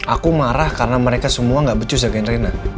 aku marah karena mereka semua gak becus yakin reyna